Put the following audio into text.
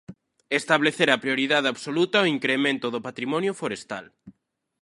Establecer a prioridade absoluta ao incremento do patrimonio forestal.